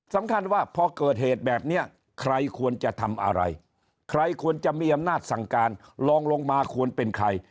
สำคัญว่าพอเกิดเหตุแบบนี้ใครควรจะทำอะไรใครควรจะมีอำนาจสั่งการลองลงมาควรเป็นใคร